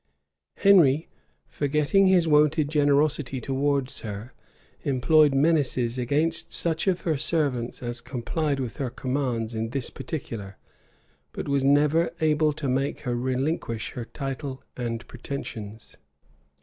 Henry, forgetting his wonted generosity towards her, employed menaces against such of her servants as complied with her commands in this particular; but was never able to make her relinquish her title and pretensions.